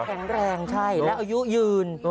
แข็งแรงใช่แล้วอายุยืน